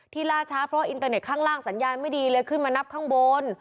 ล่าช้าเพราะอินเตอร์เน็ตข้างล่างสัญญาณไม่ดีเลยขึ้นมานับข้างบน